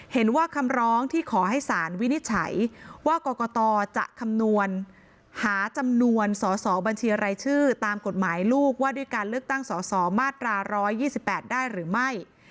เห็นว่าคำร้องที่ขอให้สารวินิจฉัยว่ากรกตจะคำนวณหาจำนวนสอสอบัญชีรายชื่อตามกฎหมายลูกว่าด้วยการเลือกตั้งสอสอมาตรา๑๒๘ได้หรือไม่